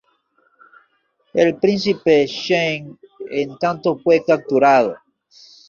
El príncipe Shen en tanto fue capturado.